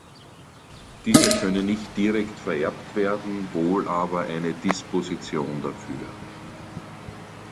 Dieser könne nicht direkt vererbt werden, wohl aber eine Disposition dafür.